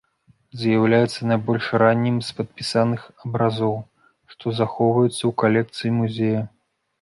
З'яўляецца найбольш раннім з падпісаных абразоў, што захоўваюцца ў калекцыі музея.